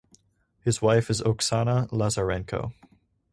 His wife is Oksana Lazarenko.